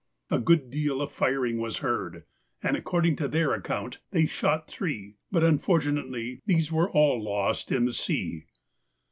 A good deal of firing was heard, and according to their own account they shot three, but unfortunately these were all lost in the sea.